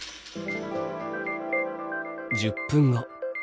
１０分後。